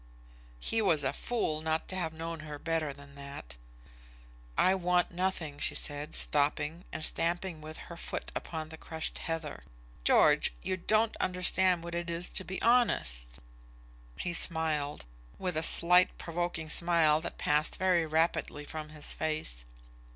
He was a fool not to have known her better than that. "I want nothing," she said, stopping, and stamping with her foot upon the crushed heather. "George, you don't understand what it is to be honest." He smiled, with a slight provoking smile that passed very rapidly from his face.